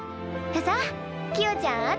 さキヨちゃん